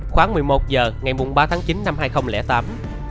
khoảng một mươi một h ngày ba tháng chín năm hai nghìn tám